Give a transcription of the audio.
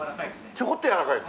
ちょこっとやわらかいの？